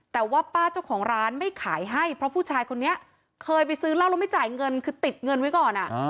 แต่ว่าป้าเจ้าของร้านไม่ขายให้เพราะผู้ชายคนนี้เคยไปซื้อเหล้าแล้วไม่จ่ายเงินคือติดเงินไว้ก่อน